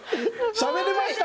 しゃべれました